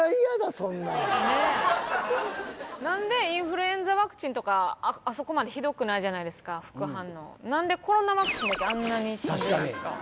そんなん何でインフルエンザワクチンとかあそこまでひどくないじゃないですか副反応何でコロナワクチンだけあんなにしんどいんですか？